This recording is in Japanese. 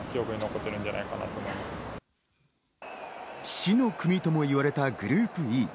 死の組とも言われたグループＥ。